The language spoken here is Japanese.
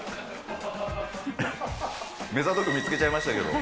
目ざとく見つけちゃいましたけど。